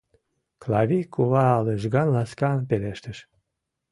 — Клави кува лыжган-ласкан пелештыш.